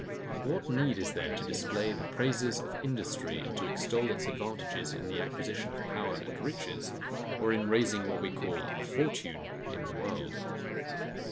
What need is there to display the praises of industry, and to extol its advantages, in the acquisition of power and riches, or in raising what we call a FORTUNE in the world?